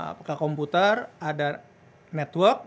apakah komputer ada network